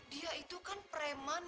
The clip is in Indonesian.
dia itu kan preman